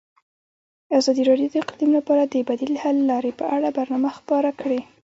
ازادي راډیو د اقلیم لپاره د بدیل حل لارې په اړه برنامه خپاره کړې.